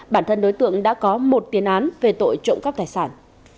bản thân đối tượng đã có một tiền án về tội trộm cắp tài sản